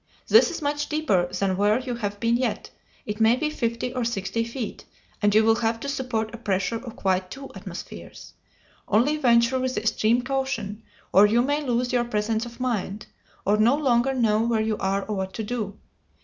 That is much deeper than where you have been yet; it may be fifty or sixty feet, and you will have to support a pressure of quite two atmospheres. Only venture with extreme caution, or you may lose your presence of mind, or no longer know where you are or what to do.